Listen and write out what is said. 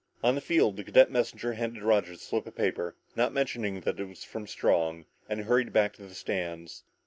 On the field, the cadet messenger handed Roger the slip of paper, not mentioning that it was from Strong, and hurried back to the stands.